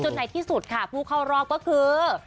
ในที่สุดค่ะผู้เข้ารอบก็คือ